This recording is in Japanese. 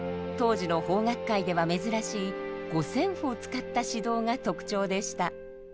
当時の邦楽界では珍しい五線譜を使った指導が特徴でした。